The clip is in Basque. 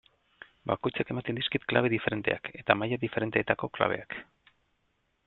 Bakoitzak ematen dizkit klabe diferenteak, eta maila diferentetako klabeak.